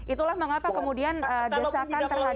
itulah mengapa kemudian desakan terhadap